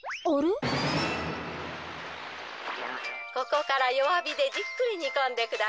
ここからよわびでじっくりにこんでください。